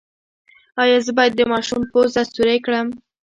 ایا زه باید د ماشوم پوزه سورۍ کړم؟